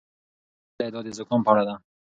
بله ادعا د زکام په اړه ده.